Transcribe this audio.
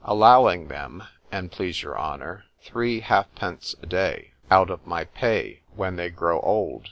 _" Allowing them, an' please your honour, three halfpence a day out of my pay, when they grow old.